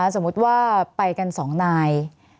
สมมุติว่าไปกัน๒นาย